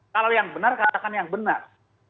kalau yang benar katakan yang benar